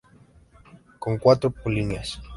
Con cuatro polinias.